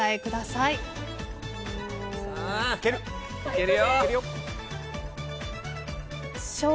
いけるよ。